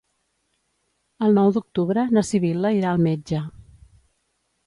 El nou d'octubre na Sibil·la irà al metge.